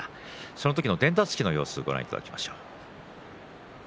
その時の伝達式の様子をご覧いただきましょう。